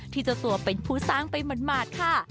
ที่จะตัวเป็นผู้สร้างไปหมดค่ะ